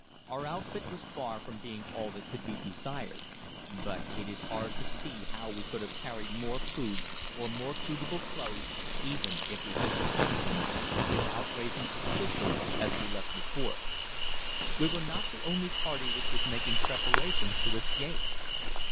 Our outfit was far from being all that could be desired; but it is hard to see how we could have carried more food, or more suitable clothes, even if we had possessed them, without raising suspicion as we left the fort. We were not the only party which was making preparations to escape.